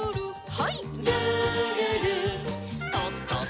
はい。